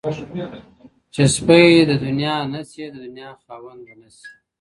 ¬ چي سپى د دنيا نه سې، د دنيا خاوند به نه سې.